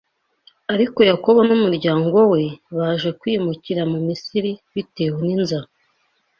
Ariko Yakobo n’umuryango we baje kwimukira mu Misiri bitewe n’inzara